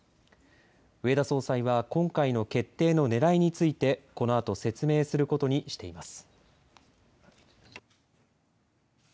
植田総裁は、今回の決定のねらいについて、このあと説明することにしています。